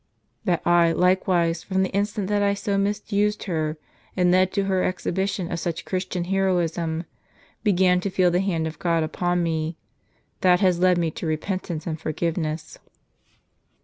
" That I, likewise, from the instant that I so misused her, and led to her exhibition of such Christian heroism, began to feel the hand of God upon me, that has led me to repentance and forgiveness."